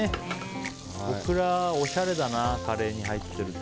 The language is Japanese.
オクラ、おしゃれだなカレーに入ってると。